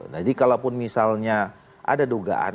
jadi kalaupun misalnya ada dugaan